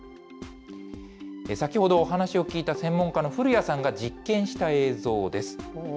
先ほどお話を聞いた専門家の古谷さんが実験した映像です。